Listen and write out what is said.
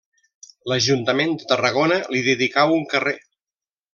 L'ajuntament de Tarragona li dedicà un carrer.